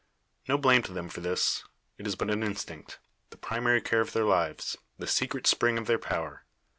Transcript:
No blame to them for this. It is but an instinct the primary care of their lives the secret spring of their power.